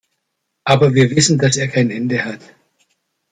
Aber wir wissen, daß er kein Ende hat.